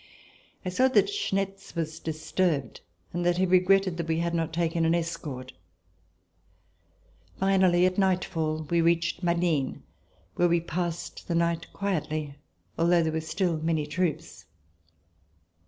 I saw that Schnetz was disturbed and that he regretted that we had not taken an escort. Finally, at nightfall, we reached Malines, where we passed the night quietly, although there were still many troops.